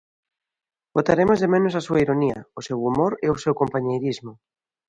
Botaremos de menos a súa ironía, o seu humor e o seu compañeirismo.